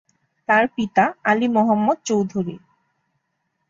তার পিতা আলী মোহাম্মদ চৌধুরী।